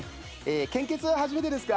献血は初めてですか？